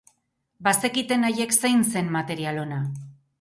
Bazekiten haiek zein zen material ona.